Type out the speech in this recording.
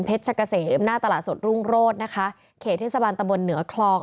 ชะกะเสมหน้าตลาดสดรุ่งโรธนะคะเขตเทศบาลตะบนเหนือคลอง